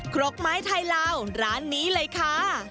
ครกไม้ไทยลาวร้านนี้เลยค่ะ